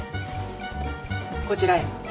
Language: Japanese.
こちらへ。